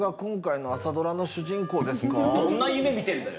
どんな夢みてんだよ。